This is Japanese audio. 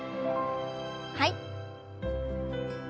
はい。